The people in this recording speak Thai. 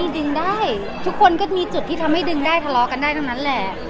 ดึงได้ทุกคนก็มีจุดที่ทำให้ดึงได้ทะเลาะกันได้ทั้งนั้นแหละ